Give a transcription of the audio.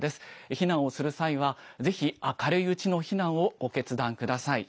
避難をする際は、ぜひ明るいうちの避難をご決断ください。